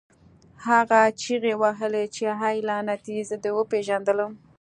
هغه چیغې وهلې چې اې لعنتي زه دې وپېژندلم